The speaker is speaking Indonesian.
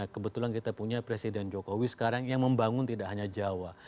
kebetulan kita punya presiden jokowi sekarang yang membangun tidak hanya jawa